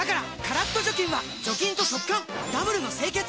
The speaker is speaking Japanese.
カラッと除菌は除菌と速乾ダブルの清潔！